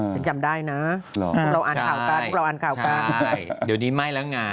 ฉันจำได้นะ